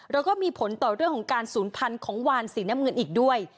แล้วก็มีผลต่อเรื่องของการศูนย์พันธุ์ของวานสีน้ำเงินอีกด้วย